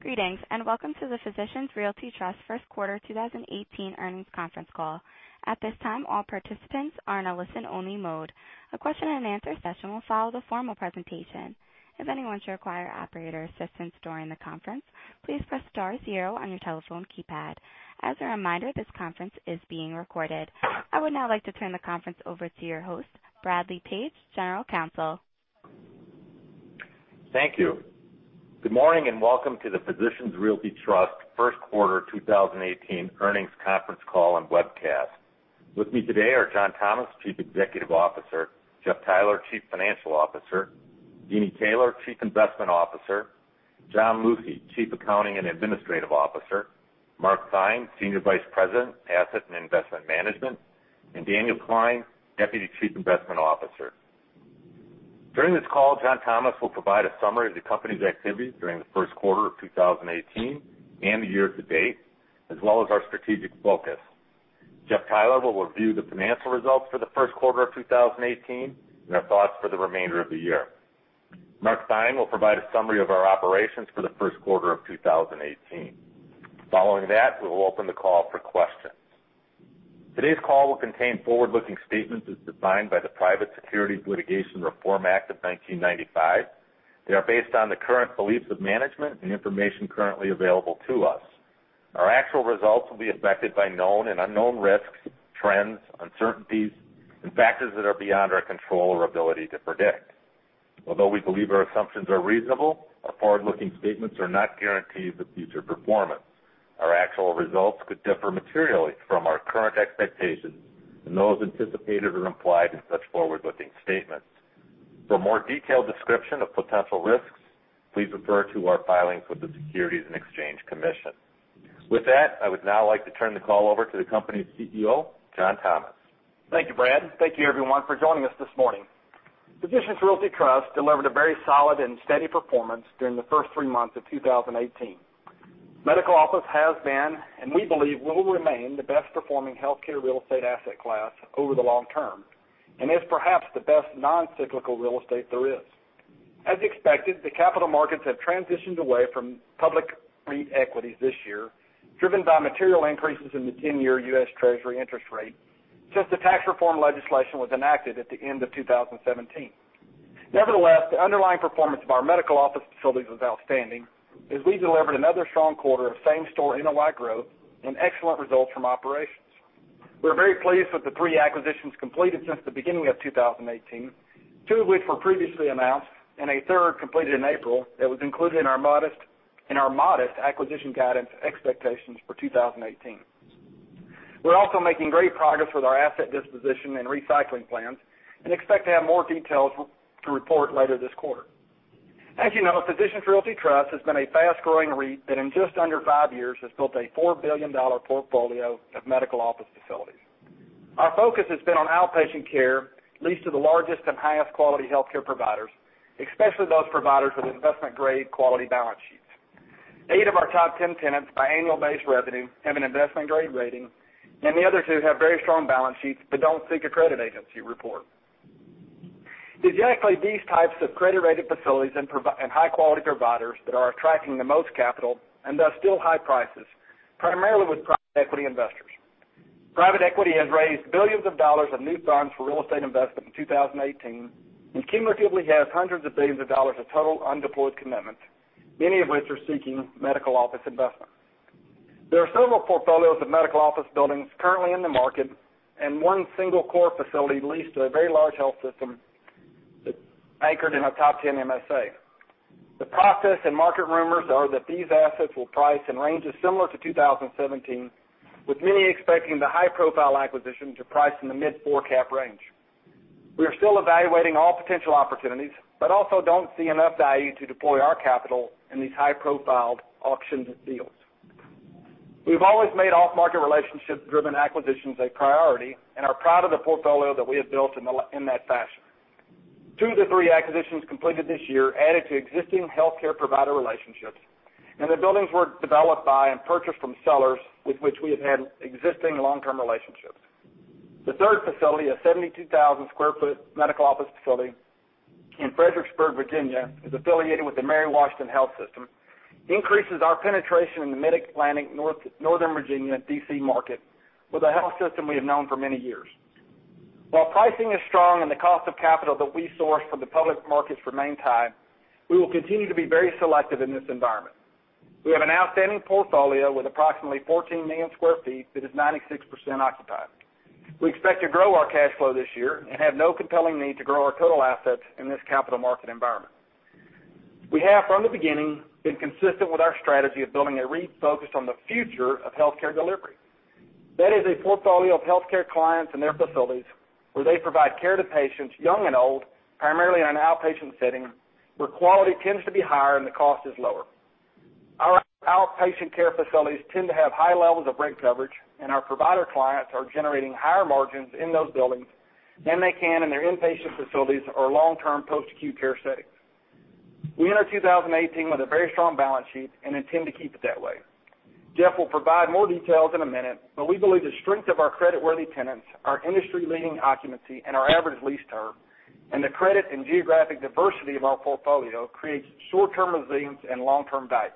Greetings, and welcome to the Physicians Realty Trust First Quarter 2018 earnings conference call. At this time, all participants are in a listen-only mode. A question and answer session will follow the formal presentation. If anyone should require operator assistance during the conference, please press star zero on your telephone keypad. As a reminder, this conference is being recorded. I would now like to turn the conference over to your host, Bradley Page, general counsel. Thank you. Good morning, and welcome to the Physicians Realty Trust First Quarter 2018 earnings conference call and webcast. With me today are John Thomas, chief executive officer, Jeff Theiler, chief financial officer, Deeni Taylor, chief investment officer, John Lucey, chief accounting and administrative officer, Mark Theine, senior vice president, asset and investment management, and Daniel Klein, deputy chief investment officer. During this call, John Thomas will provide a summary of the company's activities during the First Quarter of 2018 and the year to date, as well as our strategic focus. Jeff Theiler will review the financial results for the First Quarter of 2018 and our thoughts for the remainder of the year. Mark Theine will provide a summary of our operations for the First Quarter of 2018. Following that, we will open the call for questions. Today's call will contain forward-looking statements as defined by the Private Securities Litigation Reform Act of 1995. They are based on the current beliefs of management and information currently available to us. Our actual results will be affected by known and unknown risks, trends, uncertainties, and factors that are beyond our control or ability to predict. Although we believe our assumptions are reasonable, our forward-looking statements are not guarantees of future performance. Our actual results could differ materially from our current expectations and those anticipated or implied in such forward-looking statements. For a more detailed description of potential risks, please refer to our filings with the Securities and Exchange Commission. With that, I would now like to turn the call over to the company's CEO, John Thomas. Thank you, Brad. Thank you everyone for joining us this morning. Physicians Realty Trust delivered a very solid and steady performance during the first three months of 2018. Medical office has been, and we believe will remain, the best performing healthcare real estate asset class over the long term, and is perhaps the best non-cyclical real estate there is. As expected, the capital markets have transitioned away from public REIT equities this year, driven by material increases in the 10-year U.S. Treasury interest rate since the tax reform legislation was enacted at the end of 2017. Nevertheless, the underlying performance of our medical office facilities was outstanding, as we delivered another strong quarter of same-store NOI growth and excellent results from operations. We're very pleased with the 3 acquisitions completed since the beginning of 2018, 2 of which were previously announced, and a third completed in April that was included in our modest acquisition guidance expectations for 2018. We're also making great progress with our asset disposition and recycling plans and expect to have more details to report later this quarter. As you know, Physicians Realty Trust has been a fast-growing REIT that in just under 5 years has built a $4 billion portfolio of medical office facilities. Our focus has been on outpatient care, leased to the largest and highest quality healthcare providers, especially those providers with investment-grade quality balance sheets. 8 of our top 10 tenants by annual base revenue have an investment-grade rating, and the other 2 have very strong balance sheets but don't seek a credit agency report. It is exactly these types of credit-rated facilities and high-quality providers that are attracting the most capital and thus still high prices, primarily with private equity investors. Private equity has raised billions of dollars of new funds for real estate investment in 2018 and cumulatively has hundreds of billions of dollars of total undeployed commitments, many of which are seeking medical office investment. There are several portfolios of medical office buildings currently in the market and one single core facility leased to a very large health system that's anchored in a top 10 MSA. The process and market rumors are that these assets will price in ranges similar to 2017, with many expecting the high-profile acquisition to price in the mid 4-cap range. We are still evaluating all potential opportunities but also don't see enough value to deploy our capital in these high-profile auctioned deals. We've always made off-market relationship-driven acquisitions a priority and are proud of the portfolio that we have built in that fashion. 2 of the 3 acquisitions completed this year added to existing healthcare provider relationships, and the buildings were developed by and purchased from sellers with which we have had existing long-term relationships. The third facility, a 72,000 sq ft medical office facility in Fredericksburg, Virginia, is affiliated with the Mary Washington Healthcare, increases our penetration in the mid-Atlantic, Northern Virginia, and D.C. market with a health system we have known for many years. While pricing is strong and the cost of capital that we source from the public markets remain tight, we will continue to be very selective in this environment. We have an outstanding portfolio with approximately 14 million sq ft that is 96% occupied. We expect to grow our cash flow this year and have no compelling need to grow our total assets in this capital market environment. We have, from the beginning, been consistent with our strategy of building a REIT focused on the future of healthcare delivery. That is a portfolio of healthcare clients and their facilities, where they provide care to patients, young and old, primarily in an outpatient setting, where quality tends to be higher and the cost is lower. Our outpatient care facilities tend to have high levels of rent coverage, and our provider clients are generating higher margins in those buildings than they can in their inpatient facilities or long-term post-acute care settings. We enter 2018 with a very strong balance sheet and intend to keep it that way. Jeff will provide more details in a minute, but we believe the strength of our credit-worthy tenants, our industry-leading occupancy, and our average lease term, and the credit and geographic diversity of our portfolio creates short-term resilience and long-term value.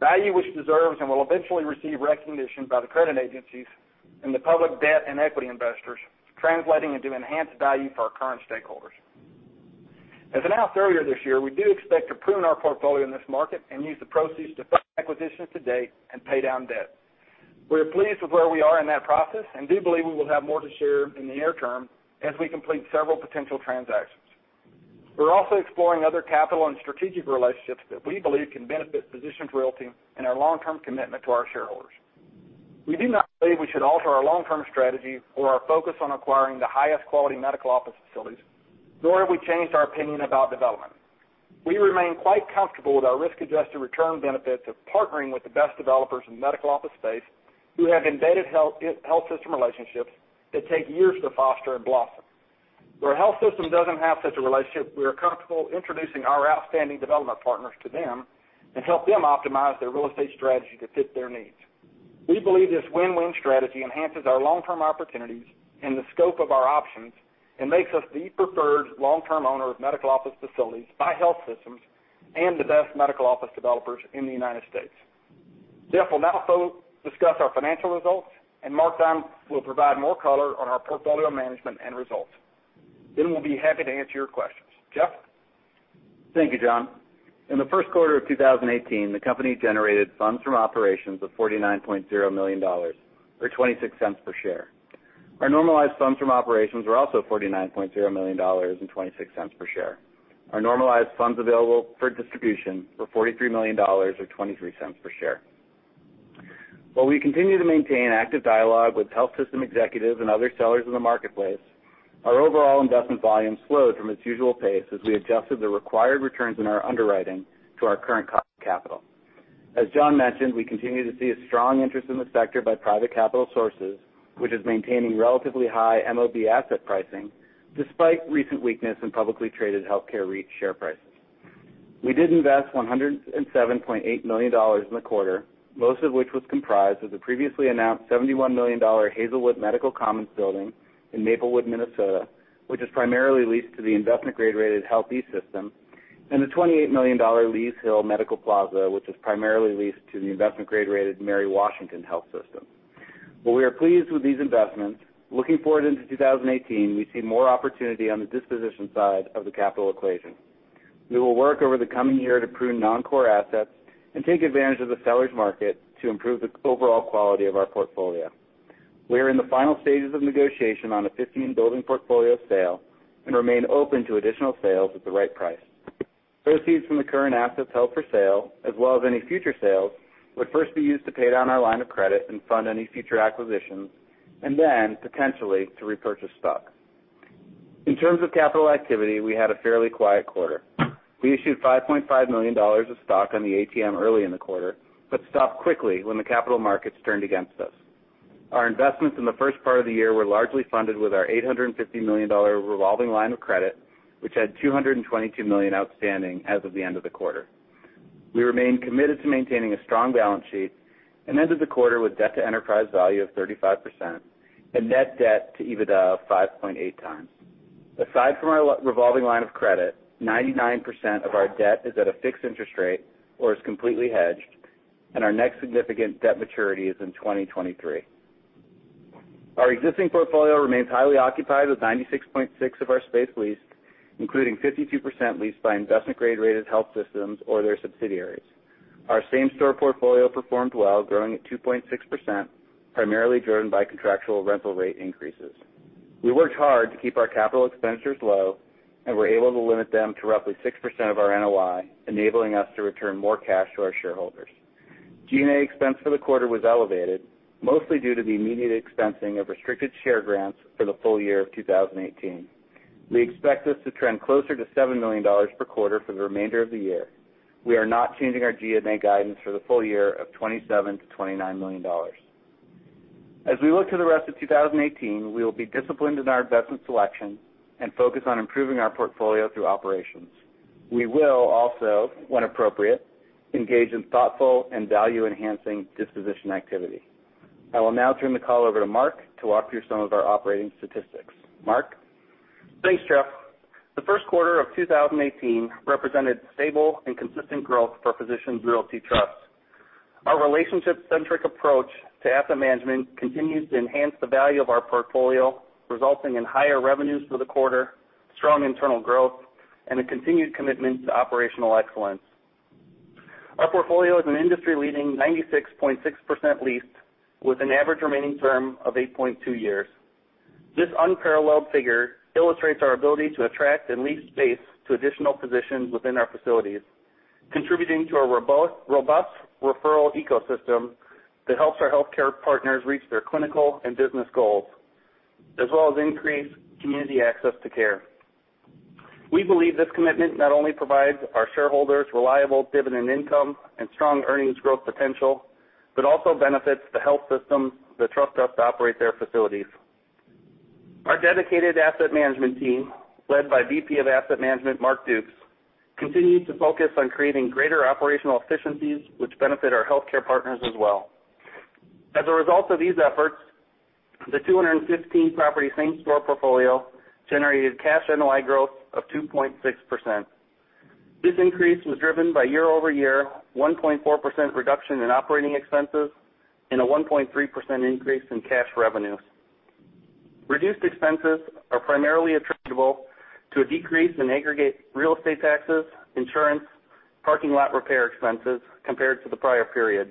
Value which deserves and will eventually receive recognition by the credit agencies and the public debt and equity investors, translating into enhanced value for our current stakeholders. As announced earlier this year, we do expect to prune our portfolio in this market and use the proceeds to fund acquisitions to date and pay down debt. We are pleased with where we are in that process and do believe we will have more to share in the near term as we complete several potential transactions. We're also exploring other capital and strategic relationships that we believe can benefit Physicians Realty and our long-term commitment to our shareholders. We do not believe we should alter our long-term strategy or our focus on acquiring the highest quality medical office facilities, nor have we changed our opinion about development. We remain quite comfortable with our risk-adjusted return benefits of partnering with the best developers in medical office space who have embedded health system relationships that take years to foster and blossom. Where a health system doesn't have such a relationship, we are comfortable introducing our outstanding development partners to them and help them optimize their real estate strategy to fit their needs. We believe this win-win strategy enhances our long-term opportunities and the scope of our options and makes us the preferred long-term owner of medical office facilities by health systems and the best medical office developers in the United States. Jeff will now discuss our financial results, and Mark Theine will provide more color on our portfolio management and results. We'll be happy to answer your questions. Jeff? Thank you, John. In the first quarter of 2018, the company generated funds from operations of $49.0 million or $0.26 per share. Our normalized funds from operations were also $49.0 million and $0.26 per share. Our normalized funds available for distribution were $43 million or $0.23 per share. While we continue to maintain active dialogue with health system executives and other sellers in the marketplace, our overall investment volume slowed from its usual pace as we adjusted the required returns in our underwriting to our current cost of capital. As John mentioned, we continue to see a strong interest in the sector by private capital sources, which is maintaining relatively high MOB asset pricing despite recent weakness in publicly traded healthcare REIT share prices. We did invest $107.8 million in the quarter, most of which was comprised of the previously announced $71 million HealthEast Medical Commons building in Maplewood, Minnesota, which is primarily leased to the investment grade-rated HealthEast Care System, and the $28 million Lee's Hill Medical Plaza, which is primarily leased to the investment grade-rated Mary Washington Healthcare. While we are pleased with these investments, looking forward into 2018, we see more opportunity on the disposition side of the capital equation. We will work over the coming year to prune non-core assets and take advantage of the sellers' market to improve the overall quality of our portfolio. We are in the final stages of negotiation on a 15-building portfolio sale and remain open to additional sales at the right price. Proceeds from the current assets held for sale, as well as any future sales, would first be used to pay down our line of credit and fund any future acquisitions, then potentially to repurchase stock. In terms of capital activity, we had a fairly quiet quarter. We issued $5.5 million of stock on the ATM early in the quarter, but stopped quickly when the capital markets turned against us. Our investments in the first part of the year were largely funded with our $850 million revolving line of credit, which had $222 million outstanding as of the end of the quarter. We remain committed to maintaining a strong balance sheet and ended the quarter with debt-to-enterprise value of 35% and net debt to EBITDA of 5.8 times. Aside from our revolving line of credit, 99% of our debt is at a fixed interest rate or is completely hedged, Our next significant debt maturity is in 2023. Our existing portfolio remains highly occupied with 96.6% of our space leased, including 52% leased by investment grade-rated health systems or their subsidiaries. Our same-store portfolio performed well, growing at 2.6%, primarily driven by contractual rental rate increases. We worked hard to keep our capital expenditures low and were able to limit them to roughly 6% of our NOI, enabling us to return more cash to our shareholders. G&A expense for the quarter was elevated, mostly due to the immediate expensing of restricted share grants for the full year of 2018. We expect this to trend closer to $7 million per quarter for the remainder of the year. We are not changing our G&A guidance for the full year of $27 million-$29 million. We look to the rest of 2018, we will be disciplined in our investment selection and focused on improving our portfolio through operations. We will also, when appropriate, engage in thoughtful and value-enhancing disposition activity. I will now turn the call over to Mark to walk through some of our operating statistics. Mark? Thanks, Jeff. The first quarter of 2018 represented stable and consistent growth for Physicians Realty Trust. Our relationship-centric approach to asset management continues to enhance the value of our portfolio, resulting in higher revenues for the quarter, strong internal growth, and a continued commitment to operational excellence. Our portfolio is an industry-leading 96.6% leased with an average remaining term of 8.2 years. This unparalleled figure illustrates our ability to attract and lease space to additional physicians within our facilities, contributing to a robust referral ecosystem that helps our healthcare partners reach their clinical and business goals, as well as increase community access to care. We believe this commitment not only provides our shareholders reliable dividend income and strong earnings growth potential, but also benefits the health systems that trust us to operate their facilities. Our dedicated asset management team, led by Vice President of Asset Management, Mark Dukes, continues to focus on creating greater operational efficiencies which benefit our healthcare partners as well. As a result of these efforts, the 215-property same store portfolio generated cash NOI growth of 2.6%. This increase was driven by year-over-year 1.4% reduction in operating expenses and a 1.3% increase in cash revenues. Reduced expenses are primarily attributable to a decrease in aggregate real estate taxes, insurance, parking lot repair expenses compared to the prior period.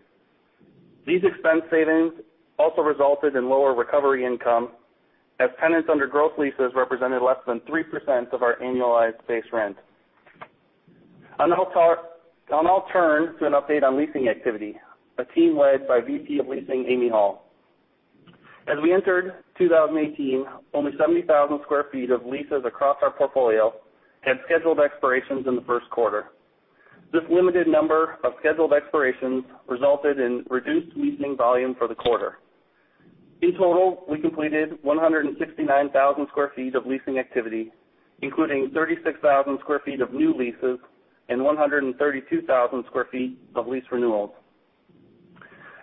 These expense savings also resulted in lower recovery income, as tenants under growth leases represented less than 3% of our annualized base rent. I will now turn to an update on leasing activity, a team led by Vice President of Leasing, Amy Hall. As we entered 2018, only 70,000 square feet of leases across our portfolio had scheduled expirations in the first quarter. This limited number of scheduled expirations resulted in reduced leasing volume for the quarter. In total, we completed 169,000 square feet of leasing activity, including 36,000 square feet of new leases and 132,000 square feet of lease renewals.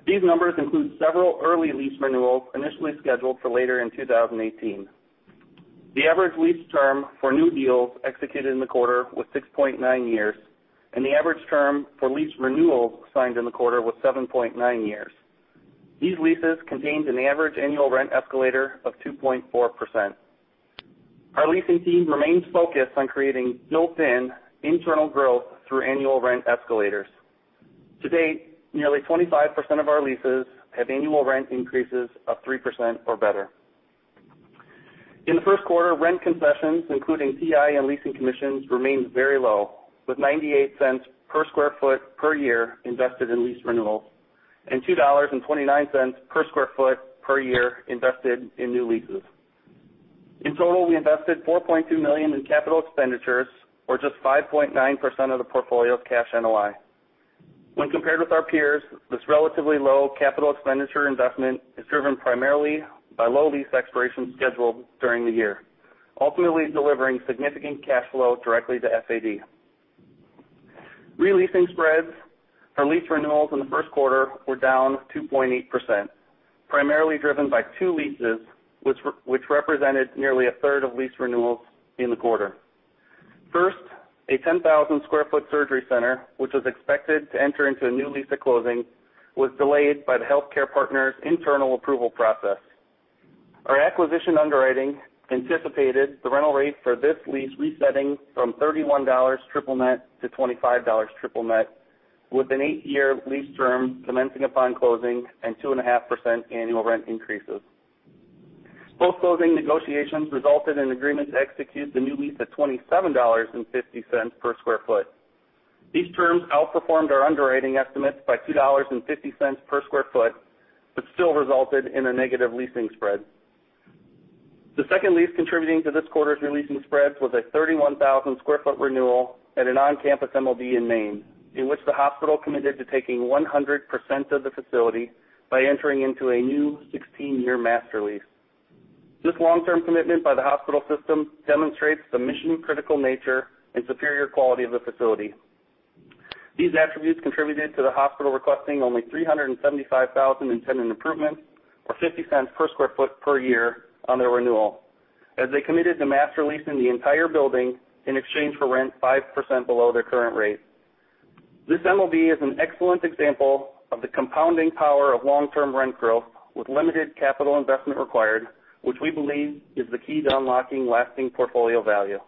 These numbers include several early lease renewals initially scheduled for later in 2018. The average lease term for new deals executed in the quarter was 6.9 years, and the average term for lease renewals signed in the quarter was 7.9 years. These leases contained an average annual rent escalator of 2.4%. Our leasing team remains focused on creating built-in internal growth through annual rent escalators. To date, nearly 25% of our leases have annual rent increases of 3% or better. In the first quarter, rent concessions, including TI and leasing commissions, remained very low, with $0.98 per square foot per year invested in lease renewals and $2.29 per square foot per year invested in new leases. In total, we invested $4.2 million in capital expenditures, or just 5.9% of the portfolio's cash NOI. When compared with our peers, this relatively low capital expenditure investment is driven primarily by low lease expiration schedules during the year, ultimately delivering significant cash flow directly to FAD. Releasing spreads for lease renewals in the first quarter were down 2.8%, primarily driven by two leases, which represented nearly a third of lease renewals in the quarter. First, a 10,000 square-foot surgery center, which was expected to enter into a new lease at closing, was delayed by the healthcare partner's internal approval process. Our acquisition underwriting anticipated the rental rate for this lease resetting from $31 triple net to $25 triple net with an 8-year lease term commencing upon closing and 2.5% annual rent increases. Post-closing negotiations resulted in agreement to execute the new lease at $27.50 per square foot. These terms outperformed our underwriting estimates by $2.50 per square foot, but still resulted in a negative leasing spread. The second lease contributing to this quarter's releasing spreads was a 31,000 square-foot renewal at an on-campus MOB in Maine, in which the hospital committed to taking 100% of the facility by entering into a new 16-year master lease. This long-term commitment by the hospital system demonstrates the mission-critical nature and superior quality of the facility. These attributes contributed to the hospital requesting only $375,000 in tenant improvements or $0.50 per square foot per year on their renewal, as they committed to master leasing the entire building in exchange for rent 5% below their current rate. This MOB is an excellent example of the compounding power of long-term rent growth with limited capital investment required, which we believe is the key to unlocking lasting portfolio value.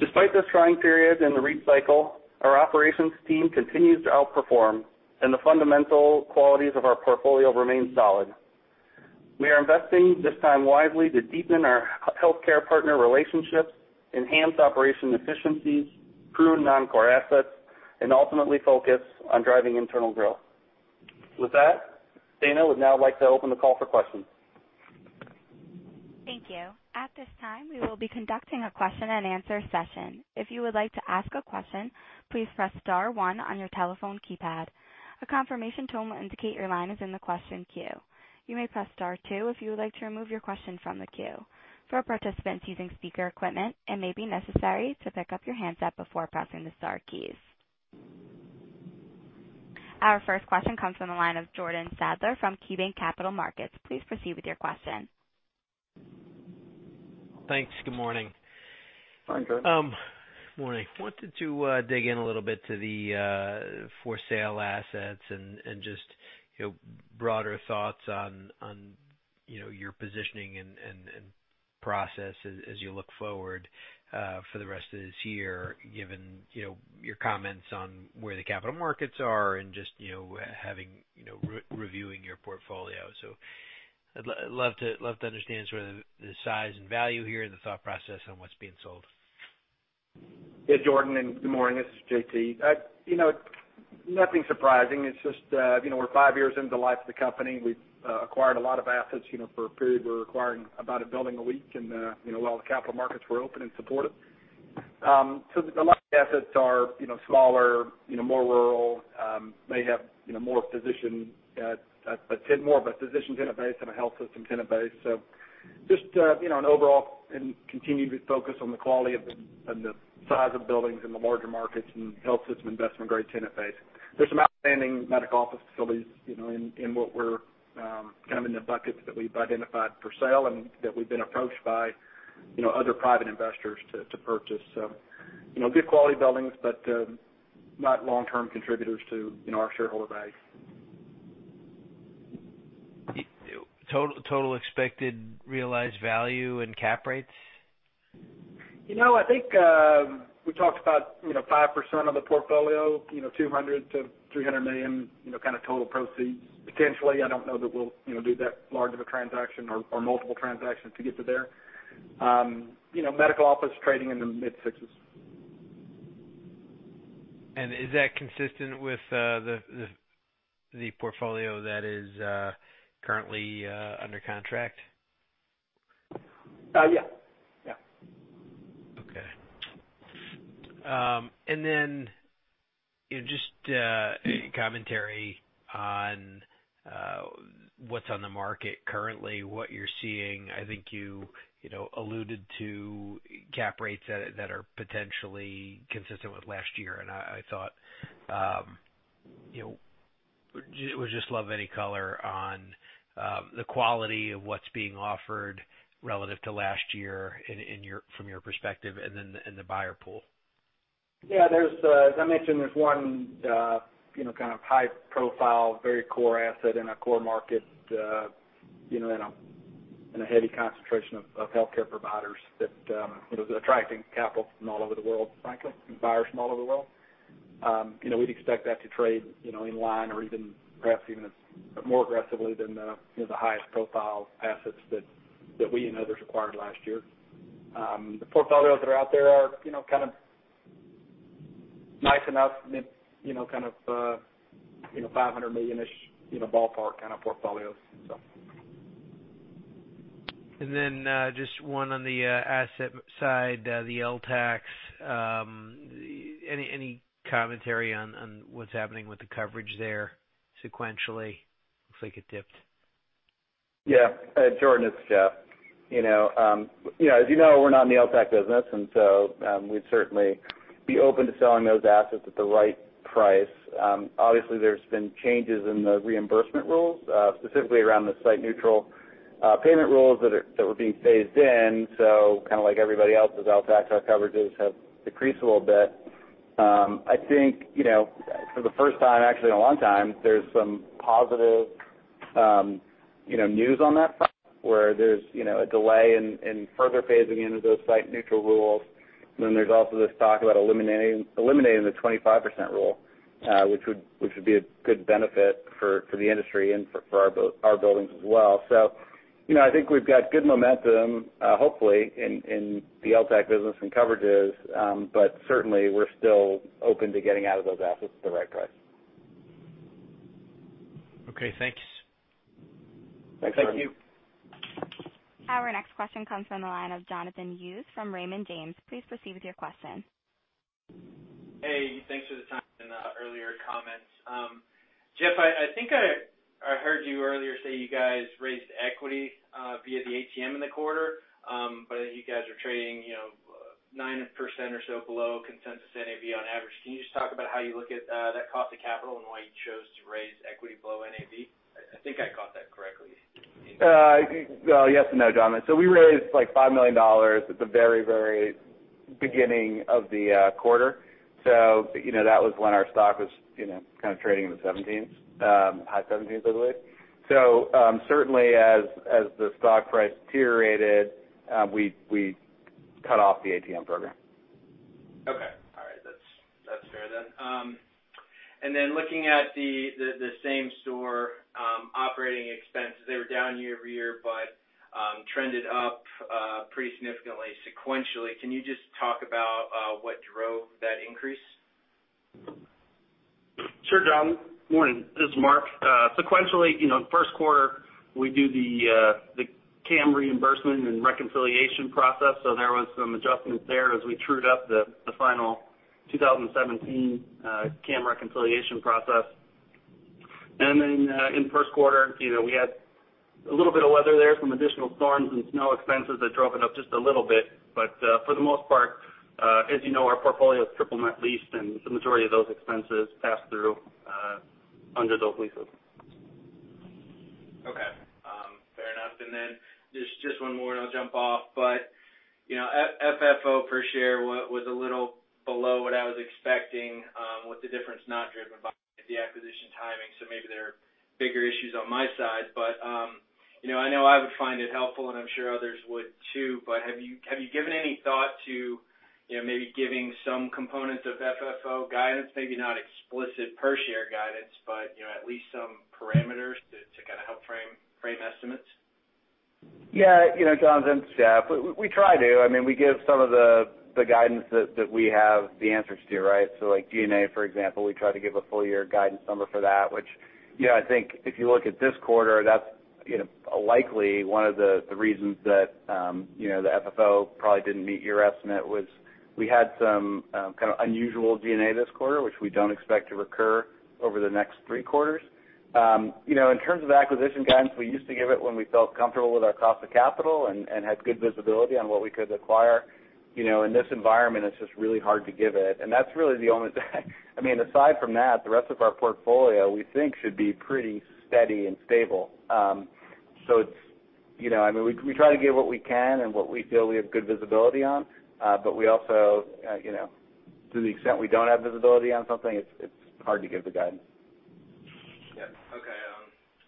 Despite this trying period in the REIT cycle, our operations team continues to outperform, and the fundamental qualities of our portfolio remain solid. We are investing this time wisely to deepen our healthcare partner relationships, enhance operation efficiencies, prune non-core assets, and ultimately focus on driving internal growth. With that, Dana would now like to open the call for questions. Thank you. At this time, we will be conducting a question and answer session. If you would like to ask a question, please press star one on your telephone keypad. A confirmation tone will indicate your line is in the question queue. You may press star two if you would like to remove your question from the queue. For participants using speaker equipment, it may be necessary to pick up your handset before pressing the star keys. Our first question comes from the line of Jordan Sadler from KeyBanc Capital Markets. Please proceed with your question. Thanks. Good morning. Hi, Jordan. Morning. Wanted to dig in a little bit to the for sale assets and just broader thoughts on your positioning and process as you look forward for the rest of this year, given your comments on where the capital markets are and just reviewing your portfolio. I'd love to understand sort of the size and value here and the thought process on what's being sold. Yeah, Jordan, and good morning. This is JT. Nothing surprising. It's just we're five years into the life of the company. We've acquired a lot of assets. For a period, we were acquiring about a building a week, and while the capital markets were open and supportive. The light assets are smaller, more rural, may have more of a physician tenant base than a health system tenant base. Just an overall and continued focus on the quality and the size of buildings in the larger markets and health system investment-grade tenant base. There's some outstanding medical office facilities in what we're kind of in the buckets that we've identified for sale and that we've been approached by other private investors to purchase. Good quality buildings, but not long-term contributors to our shareholder value. Total expected realized value and cap rates? I think we talked about 5% of the portfolio, $200 million-$300 million, kind of total proceeds, potentially. I don't know that we will do that large of a transaction or multiple transactions to get to there. Medical office trading in the mid sixes. Is that consistent with the portfolio that is currently under contract? Yeah. Okay. Just a commentary on what's on the market currently, what you're seeing. I think you alluded to cap rates that are potentially consistent with last year, would just love any color on the quality of what's being offered relative to last year from your perspective and the buyer pool. Yeah. As I mentioned, there's one kind of high profile, very core asset in a core market, in a heavy concentration of healthcare providers that is attracting capital from all over the world, frankly, and buyers from all over the world. We'd expect that to trade in line or even perhaps even more aggressively than the highest profile assets that we and others acquired last year. The portfolios that are out there are kind of nice enough, mid kind of $500 million-ish, ballpark kind of portfolios. Just one on the asset side, the LTACs. Any commentary on what's happening with the coverage there sequentially? Looks like it dipped. Yeah. Jordan, it's Jeff. As you know, we're not in the LTAC business, we'd certainly be open to selling those assets at the right price. Obviously, there's been changes in the reimbursement rules, specifically around the site-neutral payment rules that were being phased in. Kind of like everybody else's, LTAC coverages have decreased a little bit. I think, for the first time actually in a long time, there's some positive news on that front where there's a delay in further phasing into those site-neutral rules. There's also this talk about eliminating the 25% rule, which would be a good benefit for the industry and for our buildings as well. I think we've got good momentum, hopefully, in the LTAC business and coverages. Certainly, we're still open to getting out of those assets at the right price. Okay, thanks. Thanks, Jordan. Thank you. Our next question comes from the line of Jonathan Hughes from Raymond James. Please proceed with your question. Hey, thanks for the time and the earlier comments. Jeff, I think I heard you earlier say you guys raised equity via the ATM in the quarter. You guys are trading 9% or so below consensus NAV on average. Can you just talk about how you look at that cost of capital and why you chose to raise equity below NAV? I think I caught that correctly. Well, yes and no, Jonathan. We raised like $5 million at the very, very beginning of the quarter. That was when our stock was kind of trading in the 17s, high 17s, I believe. Certainly as the stock price deteriorated, we cut off the ATM program. Okay. All right. That's fair then. Looking at the same store operating expenses, they were down year-over-year, trended up pretty significantly sequentially. Can you just talk about what drove that increase? Sure, Jonathan. Morning. This is Mark. Sequentially, first quarter, we do the CAM reimbursement and reconciliation process. There was some adjustments there as we trued up the final 2017 CAM reconciliation process. In first quarter, we had a little bit of weather there, some additional storms and snow expenses that drove it up just a little bit. For the most part, as you know, our portfolio is triple net leased, and the majority of those expenses pass through under those leases. Okay. Fair enough. Just one more and I'll jump off. FFO per share was a little below what I was expecting, with the difference not driven by the acquisition timing. Maybe there are bigger issues on my side. I know I would find it helpful and I'm sure others would too, have you given any thought to maybe giving some component of FFO guidance? Maybe not explicit per-share guidance, but at least some parameters to kind of help frame estimates? Yeah. Jon, this is Jeff. We try to. We give some of the guidance that we have the answers to, right? Like G&A, for example, we try to give a full-year guidance number for that which I think if you look at this quarter, that's- Likely one of the reasons that the FFO probably didn't meet your estimate was we had some kind of unusual G&A this quarter, which we don't expect to recur over the next three quarters. In terms of acquisition guidance, we used to give it when we felt comfortable with our cost of capital and had good visibility on what we could acquire. In this environment, it's just really hard to give it. That's really the only thing. Aside from that, the rest of our portfolio, we think should be pretty steady and stable. We try to give what we can and what we feel we have good visibility on. To the extent we don't have visibility on something, it's hard to give the guidance. Yes. Okay.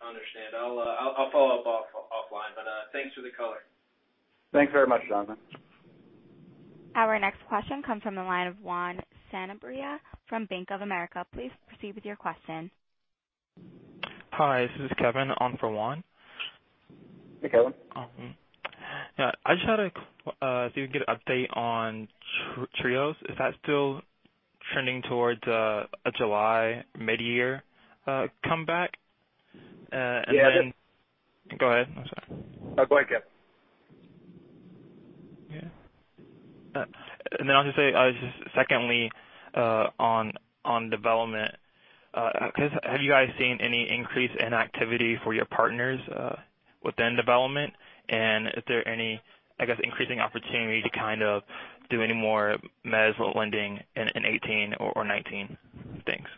I understand. I'll follow up offline, thanks for the color. Thanks very much, Jonathan. Our next question comes from the line of Juan Sanabria from Bank of America. Please proceed with your question. Hi, this is Kevin on for Juan. Hey, Kevin. See if we can get an update on Trios. Is that still trending towards a July, mid-year comeback? Yeah, it is. Go ahead. I'm sorry. No, go ahead, Kevin. Yeah. Then I'll just say, just secondly, on development, have you guys seen any increase in activity for your partners within development? Is there any, I guess, increasing opportunity to kind of do any more mezz lending in 2018 or 2019? Thanks.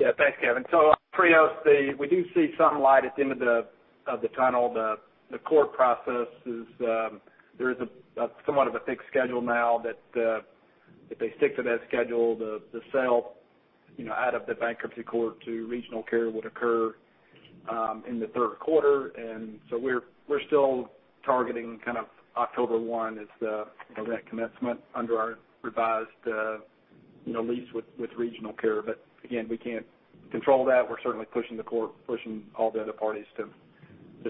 Yeah. Thanks, Kevin. Trios, we do see some light at the end of the tunnel. The court process There is somewhat of a fixed schedule now that if they stick to that schedule, the sale out of the bankruptcy court to Regional Care would occur in the third quarter. So we're still targeting kind of October one as the rent commencement under our revised lease with Regional Care. Again, we can't control that. We're certainly pushing the court, pushing all the other parties to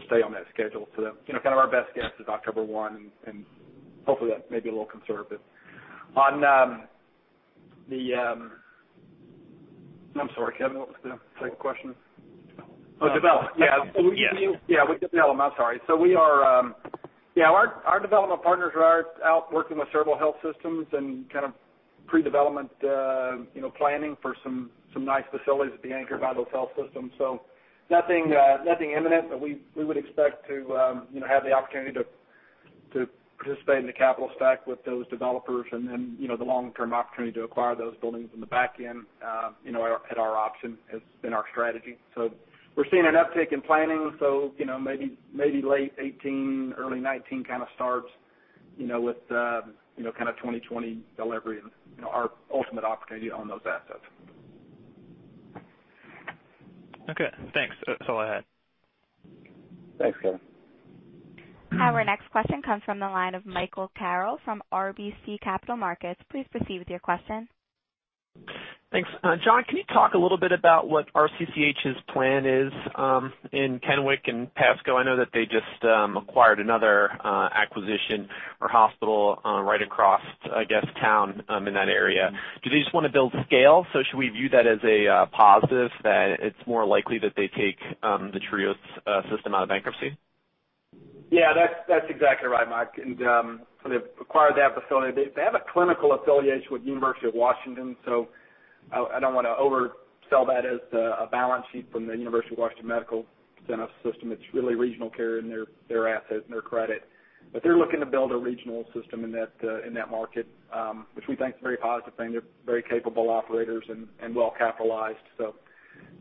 stay on that schedule. Kind of our best guess is October one, hopefully, that may be a little conservative. I'm sorry, Kevin. What was the second question? Oh, development. Yeah. Yes. Yeah, with development. I'm sorry. Our development partners are out working with several health systems and kind of pre-development planning for some nice facilities to be anchored by those health systems. Nothing imminent, but we would expect to have the opportunity to participate in the capital stack with those developers and then the long-term opportunity to acquire those buildings on the back end at our option has been our strategy. We're seeing an uptick in planning. Maybe late 2018, early 2019 kind of starts with kind of 2020 delivery and our ultimate opportunity on those assets. Okay, thanks. That's all I had. Thanks, Kevin. Our next question comes from the line of Michael Carroll from RBC Capital Markets. Please proceed with your question. Thanks. John, can you talk a little bit about what RCCH's plan is in Kennewick and Pasco? I know that they just acquired another acquisition or hospital right across, I guess, town in that area. Do they just want to build scale? Should we view that as a positive that it's more likely that they take the Trios Health system out of bankruptcy? Yeah, that's exactly right, Mike. They've acquired that facility. They have a clinical affiliation with University of Washington, so I don't want to oversell that as a balance sheet from the University of Washington Medical Center system. It's really Regional Care and their asset and their credit. They're looking to build a regional system in that market, which we think is a very positive thing. They're very capable operators and well-capitalized.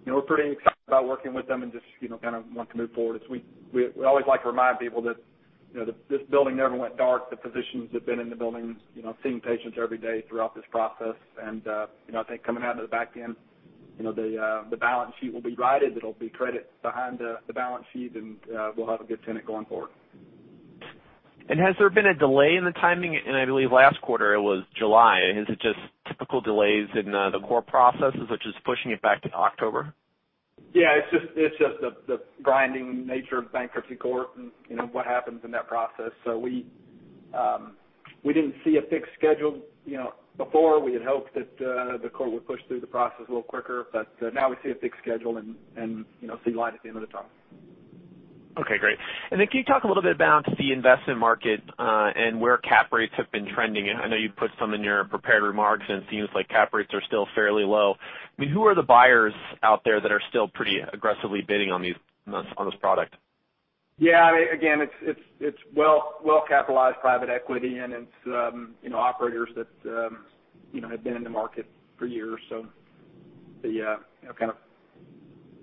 We're pretty excited about working with them and just kind of want to move forward. We always like to remind people that this building never went dark. The physicians have been in the building, seeing patients every day throughout this process. I think coming out of the back end, the balance sheet will be righted. It'll be credit behind the balance sheet, and we'll have a good tenant going forward. Has there been a delay in the timing? I believe last quarter it was July. Is it just typical delays in the court processes, which is pushing it back to October? Yeah, it's just the grinding nature of bankruptcy court and what happens in that process. We didn't see a fixed schedule. Before, we had hoped that the court would push through the process a little quicker, now we see a fixed schedule and see light at the end of the tunnel. Okay, great. Can you talk a little bit about the investment market and where cap rates have been trending? I know you put some in your prepared remarks, and it seems like cap rates are still fairly low. Who are the buyers out there that are still pretty aggressively bidding on this product? Yeah. It's well-capitalized private equity, and it's operators that have been in the market for years. The kind of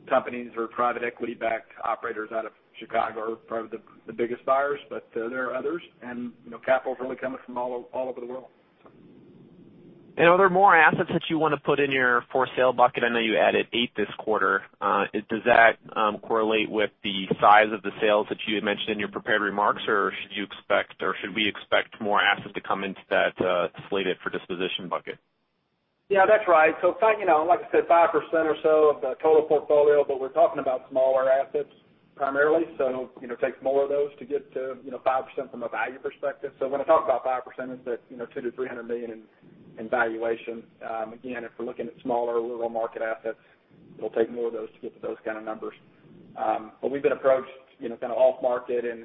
companies or private equity-backed operators out of Chicago are probably the biggest buyers. There are others, and capital's really coming from all over the world. Are there more assets that you want to put in your for sale bucket? I know you added eight this quarter. Does that correlate with the size of the sales that you had mentioned in your prepared remarks, or should we expect more assets to come into that slated for disposition bucket? Yeah, that's right. Like I said, 5% or so of the total portfolio, but we're talking about smaller assets primarily. Take more of those to get to 5% from a value perspective. When I talk about 5%, it's that $200 million-$300 million. If we're looking at smaller rural market assets, it'll take more of those to get to those kind of numbers. We've been approached kind of off-market and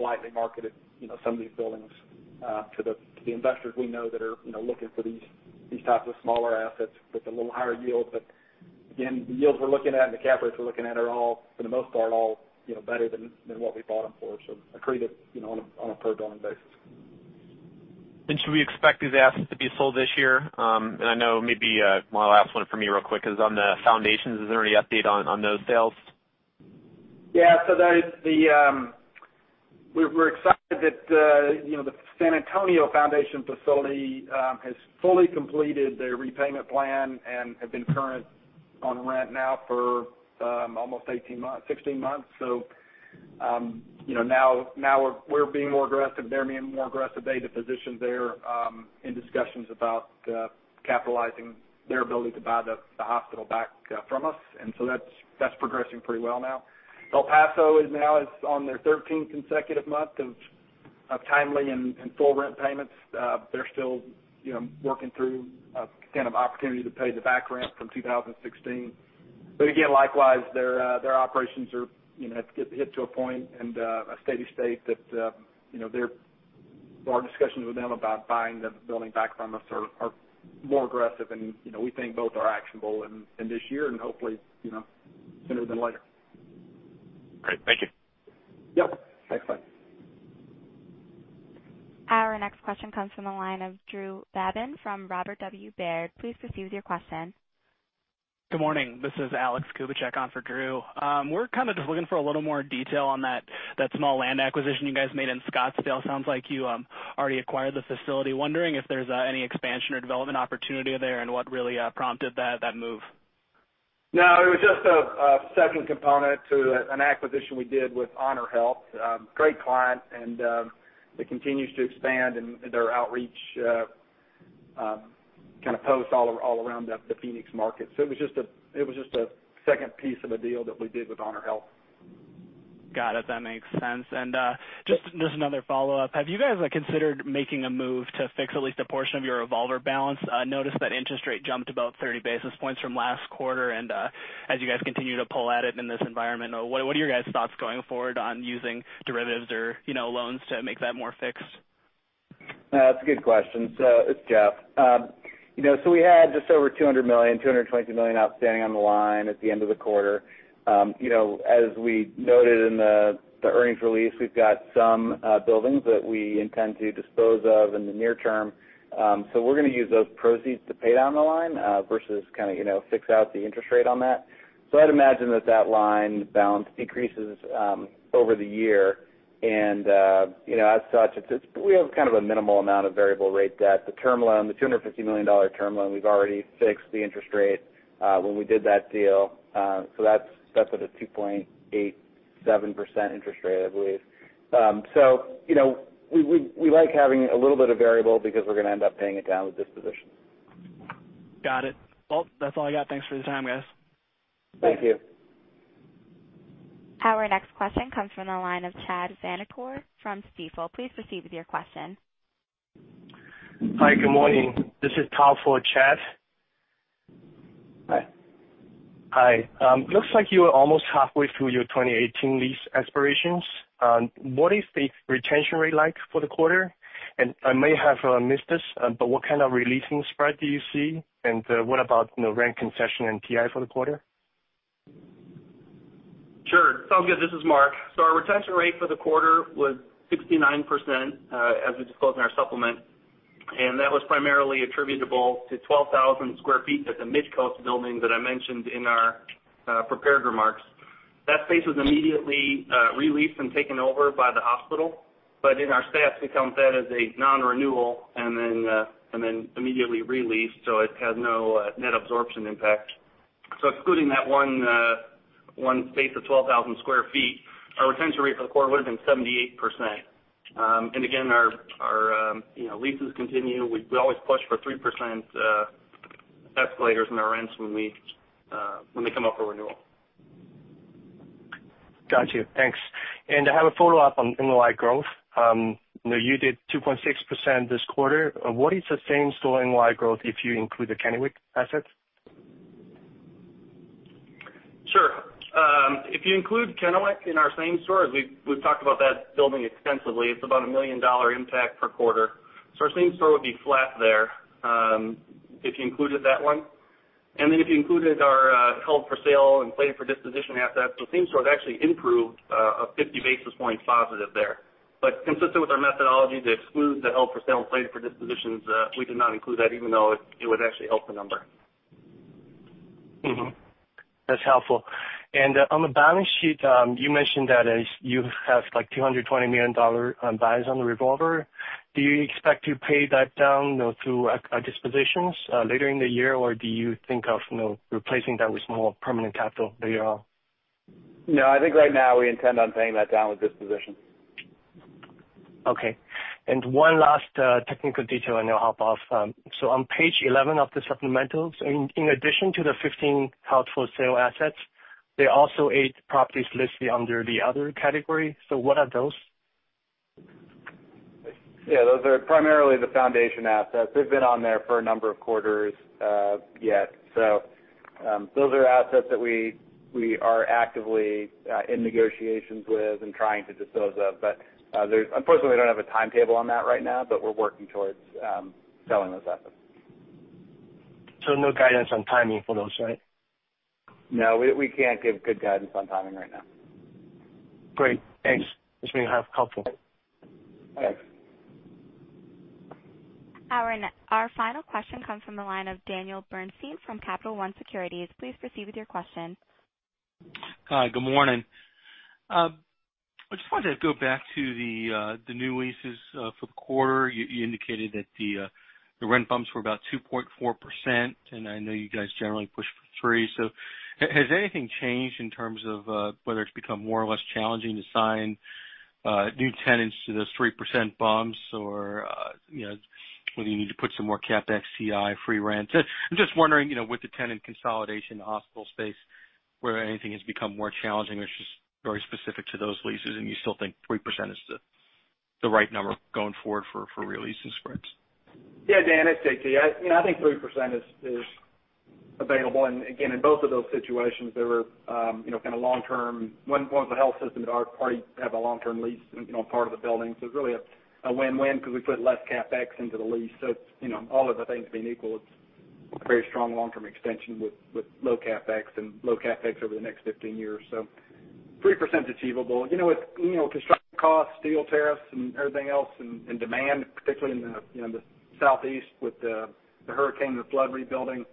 lightly marketed some of these buildings to the investors we know that are looking for these types of smaller assets with a little higher yield. The yields we're looking at and the cap rates we're looking at are all, for the most part all, better than what we bought them for. Accretive on a pro-forma basis. Should we expect these assets to be sold this year? I know maybe my last one for me real quick is on the foundations. Is there any update on those sales? Yeah. We're excited that the San Antonio Foundation facility has fully completed their repayment plan and have been current on rent now for almost 16 months. Now we're being more aggressive. They're being more aggressive. They, the physicians there, in discussions about capitalizing their ability to buy the hospital back from us. That's progressing pretty well now. El Paso is now on their 13th consecutive month of timely and full rent payments. They're still working through a kind of opportunity to pay the back rent from 2016. Again, likewise, their operations have hit to a point and a steady state that our discussions with them about buying the building back from us are more aggressive and, we think both are actionable in this year and hopefully, sooner than later. Great. Thank you. Yep. Thanks, Mike. Our next question comes from the line of Drew Babin from Robert W. Baird. Please proceed with your question. Good morning. This is Alex Kubicek on for Drew. We're kind of just looking for a little more detail on that small land acquisition you guys made in Scottsdale. Sounds like you already acquired the facility. Wondering if there's any expansion or development opportunity there, and what really prompted that move? No, it was just a second component to an acquisition we did with HonorHealth. Great client and it continues to expand, and their outreach kind of posts all around the Phoenix market. It was just a second piece of a deal that we did with HonorHealth. Got it. That makes sense. Just another follow-up. Have you guys considered making a move to fix at least a portion of your revolver balance? I noticed that interest rate jumped about 30 basis points from last quarter. As you guys continue to pull at it in this environment, what are your guys' thoughts going forward on using derivatives or loans to make that more fixed? That's a good question. It's Jeff. We had just over $200 million, $220 million outstanding on the line at the end of the quarter. As we noted in the earnings release, we've got some buildings that we intend to dispose of in the near term. We're gonna use those proceeds to pay down the line versus kind of fix out the interest rate on that. I'd imagine that that line balance decreases over the year. As such, we have kind of a minimal amount of variable rate debt. The term loan, the $250 million term loan, we've already fixed the interest rate when we did that deal. That's at a 2.87% interest rate, I believe. We like having a little bit of variable because we're gonna end up paying it down with dispositions. Got it. That's all I got. Thanks for the time, guys. Thank you. Our next question comes from the line of Chad Vanacore from Stifel. Please proceed with your question. Hi, good morning. This is Tom for Chad. Hi. Hi. Looks like you are almost halfway through your 2018 lease expirations. What is the retention rate like for the quarter? I may have missed this, but what kind of re-leasing spread do you see? What about rent concession and TI for the quarter? Sure. Sounds good. This is Mark. Our retention rate for the quarter was 69%, as we disclosed in our supplement. That was primarily attributable to 12,000 square feet at the MidCoast building that I mentioned in our prepared remarks. That space was immediately re-leased and taken over by the hospital, but in our stats, we count that as a non-renewal and then immediately re-leased, so it has no net absorption impact. Excluding that one space of 12,000 square feet, our retention rate for the quarter would've been 78%. Again, our leases continue. We always push for 3% escalators in our rents when they come up for renewal. Got you. Thanks. I have a follow-up on NOI growth. You did 2.6% this quarter. What is the same-store NOI growth if you include the Kennewick asset? Sure. If you include Kennewick in our same store, as we've talked about that building extensively, it's about a $1 million impact per quarter. Our same store would be flat there, if you included that one. If you included our held-for-sale and slated-for-disposition assets, the same store would actually improve a 50 basis point positive there. Consistent with our methodology to exclude the held-for-sale and slated for dispositions, we did not include that even though it would actually help the number. Mm-hmm. That's helpful. On the balance sheet, you mentioned that you have like $220 million on balance on the revolver. Do you expect to pay that down through dispositions later in the year, or do you think of replacing that with more permanent capital later on? No, I think right now we intend on paying that down with dispositions. Okay. One last technical detail, and I'll hop off. On page 11 of the supplementals, in addition to the 15 held-for-sale assets, there are also eight properties listed under the other category. What are those? Yeah, those are primarily the foundation assets. They've been on there for a number of quarters yet. Those are assets that we are actively in negotiations with and trying to dispose of. Unfortunately, we don't have a timetable on that right now, but we're working towards selling those assets. No guidance on timing for those, right? No, we can't give good guidance on timing right now. Great. Thanks. It's been helpful. Thanks. Our final question comes from the line of Daniel Bernstein from Capital One Securities. Please proceed with your question. Hi. Good morning. I just wanted to go back to the new leases for the quarter. You indicated that the rent bumps were about 2.4%, and I know you guys generally push for 3%. Has anything changed in terms of whether it's become more or less challenging to sign new tenants to those 3% bumps? Whether you need to put some more CapEx, TI, free rent? I'm just wondering, with the tenant consolidation, the hospital space, whether anything has become more challenging or it's just very specific to those leases, and you still think 3% is the right number going forward for re-leasing spreads. Yeah, Dan, it's J.T. I think 3% is available. Again, in both of those situations, one was a health system that already have a long-term lease, part of the building. It's really a win-win because we put less CapEx into the lease. All other things being equal, it's a very strong long-term extension with low CapEx and low CapEx over the next 15 years. 3% is achievable. With construction costs, steel tariffs, and everything else, and demand, particularly in the southeast with the hurricane, the flood rebuilding.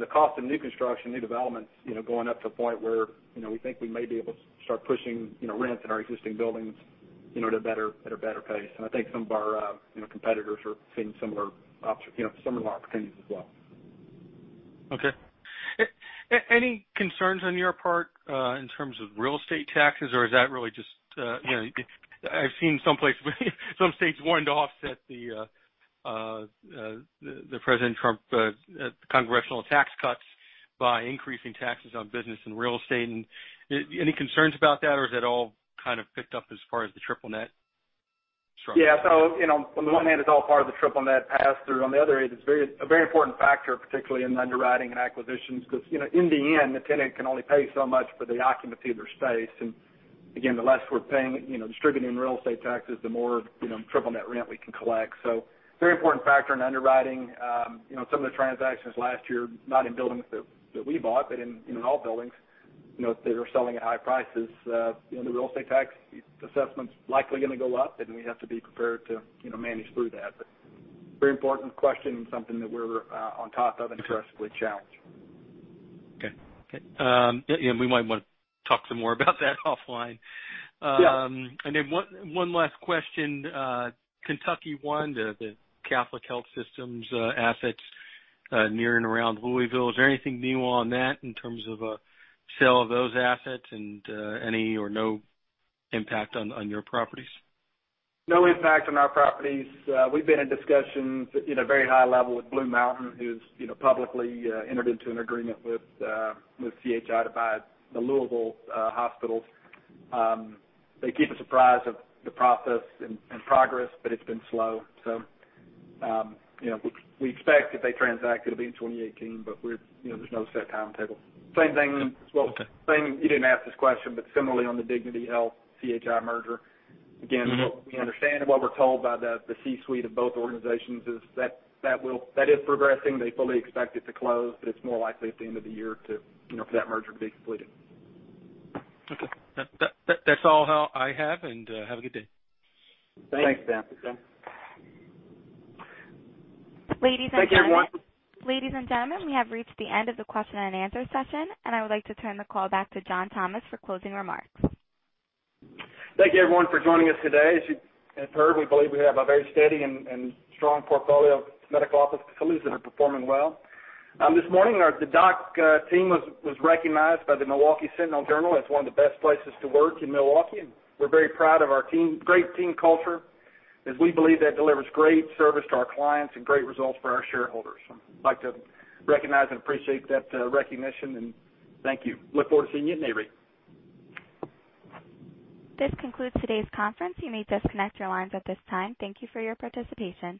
The cost of new construction, new developments, going up to a point where, we think we may be able to start pushing rents in our existing buildings at a better pace. I think some of our competitors are seeing similar opportunities as well. Okay. Any concerns on your part, in terms of real estate taxes, or is that really just I've seen some states wanting to offset the President Trump congressional tax cuts by increasing taxes on business and real estate. Any concerns about that, or is that all kind of picked up as far as the triple net structure? On the one hand, it's all part of the triple net pass-through. On the other hand, it's a very important factor, particularly in underwriting and acquisitions, because, in the end, the tenant can only pay so much for the occupancy of their space. Again, the less we're paying, distributing real estate taxes, the more triple net rent we can collect. Very important factor in underwriting. Some of the transactions last year, not in buildings that we bought, but in all buildings, that are selling at high prices. The real estate tax assessment's likely gonna go up, and we have to be prepared to manage through that. Very important question, and something that we're on top of and aggressively challenged. Okay. We might want to talk some more about that offline. Yeah. One last question. KentuckyOne Health, the Catholic health systems assets, near and around Louisville, is there anything new on that in terms of a sale of those assets and any or no impact on your properties? No impact on our properties. We've been in discussions in a very high level with BlueMountain, who's publicly entered into an agreement with CHI to buy the Louisville hospitals. They keep us apprised of the process and progress, but it's been slow. We expect if they transact, it'll be in 2018, but there's no set timetable. Okay Well, you didn't ask this question, but similarly on the Dignity Health, CHI merger. What we understand and what we're told by the C-suite of both organizations is that is progressing. They fully expect it to close, but it's more likely at the end of the year for that merger to be completed. Okay. That's all I have and have a good day. Thanks, Dan. Ladies and gentlemen. Thank you, everyone. Ladies and gentlemen, we have reached the end of the question and answer session. I would like to turn the call back to John Thomas for closing remarks. Thank you everyone for joining us today. As you have heard, we believe we have a very steady and strong portfolio of medical office facilities that are performing well. This morning, the DOC team was recognized by the "Milwaukee Journal Sentinel" as one of the best places to work in Milwaukee. We're very proud of our great team culture, as we believe that delivers great service to our clients and great results for our shareholders. We like to recognize and appreciate that recognition and thank you. Look forward to seeing you at Nareit. This concludes today's conference. You may disconnect your lines at this time. Thank you for your participation.